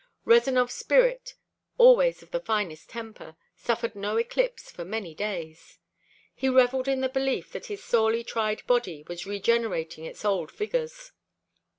Rezanov's spirit, always of the finest temper, suffered no eclipse for many days. He reveled in the belief that his sorely tried body was regenerating its old vigors.